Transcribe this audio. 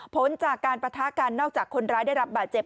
ผลจากการปะทะกันนอกจากคนร้ายได้รับบาดเจ็บ